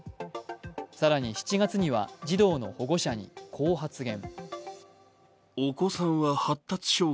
さらに７月には児童の保護者にこう発言。